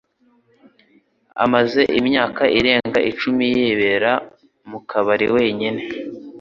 Amaze imyaka irenga icumi yibera mu kabari wenyine.